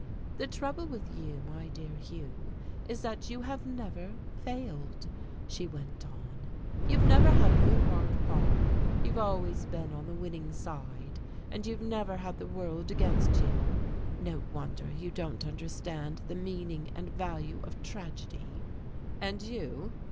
The trouble with you, my dear Hugh, is that you have never failed," she went on, "you've never had a good, hard fall, you've always been on the winning side, and you've never had the world against you. No wonder you don't understand the meaning and value of tragedy." "And you?"